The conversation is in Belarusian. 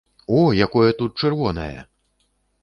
О, якое тут чырвонае!